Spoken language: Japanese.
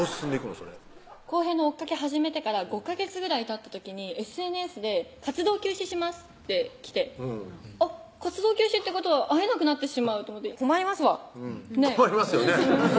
それ晃平の追っかけ始めてから５ヵ月ぐらいたった時にＳＮＳで「活動休止します」って来てあっ活動休止ってことは会えなくなってしまうと思って困りますわねぇ困りますよね